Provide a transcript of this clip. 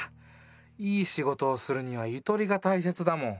いい仕事をするにはゆとりがたいせつだもん。